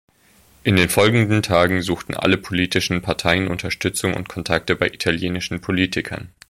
In den folgenden Tagen suchten alle politischen Parteien Unterstützung und Kontakte bei italienischen Politikern.